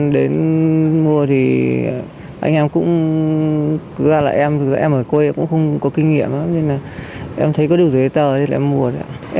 đến mùa thì anh em cũng giao lại em em ở quê cũng không có kinh nghiệm em thấy có đủ giấy tờ thì em mua